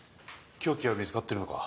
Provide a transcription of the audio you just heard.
凶器は見つかってるのか？